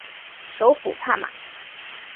首府帕马。